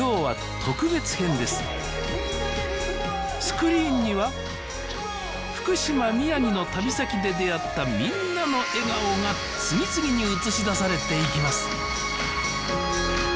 スクリーンには福島宮城の旅先で出会ったみんなの笑顔が次々に映し出されていきます